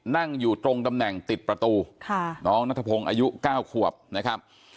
นั่งอยู่ตรงตำแหน่งติดประตูน้องนัทพงศ์อายุ๙ขวบนะครับ